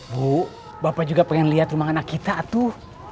bu bapak juga pengen liat rumah anak kita tuh